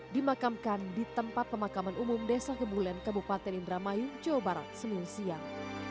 dimakamkan di tempat pemakaman umum desa kebulen kabupaten indramayu jawa barat senin siang